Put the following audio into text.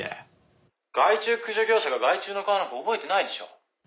「害虫駆除業者が害虫の顔なんか覚えてないでしょ？」